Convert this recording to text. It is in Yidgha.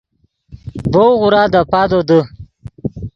ڤؤ غورا دے پادو دے